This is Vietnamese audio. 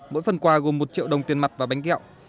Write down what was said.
mỗi phần quà gồm một triệu đồng tiền mặt và bánh kẹo